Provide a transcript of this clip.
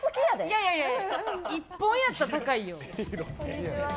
いやいや１本やったら高いよ。